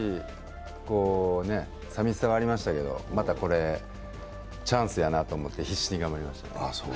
寂しさはありましたけどまたチャンスやなと思って必死に頑張りました。